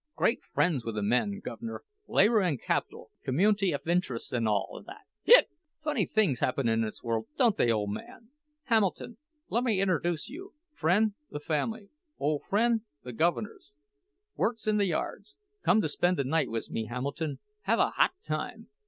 Great fren's with the men, guv'ner—labor an' capital, commun'ty 'f int'rests, an' all that—hic! Funny things happen in this world, don't they, ole man? Hamilton, lemme interduce you—fren' the family—ole fren' the guv'ner's—works in the yards. Come to spend the night wiz me, Hamilton—have a hot time.